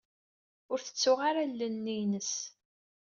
Ur tettuɣ ara allen-nni-ines.